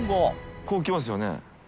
こう来ますよね。